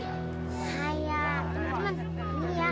temen temen ini ya